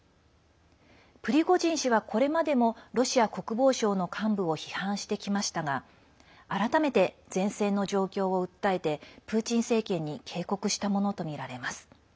プリゴジン氏は、これまでもロシア国防省の幹部を批判してきましたが改めて、前線の状況を訴えてプーチン政権に警告したものとみられます。